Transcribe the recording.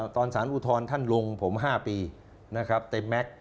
ตอนสารอุทธรณ์ท่านลงผม๕ปีนะครับเต็มแม็กซ์